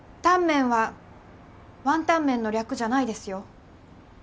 タンメンはワンタンメンの略じゃないですよ。